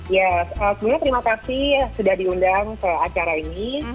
ya sebenarnya terima kasih sudah diundang ke acara ini